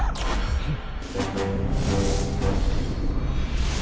フッ！